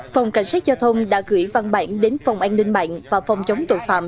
phòng cảnh sát giao thông đã gửi văn bản đến phòng an ninh mạng và phòng chống tội phạm